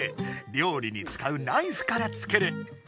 料理に使うナイフから作る。